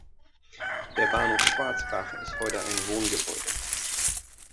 Der Bahnhof Schwarzbach ist heute ein Wohngebäude.